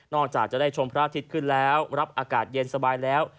จากจะได้ชมพระอาทิตย์ขึ้นแล้วรับอากาศเย็นสบายแล้ว